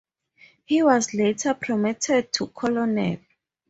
He was later promoted to colonel.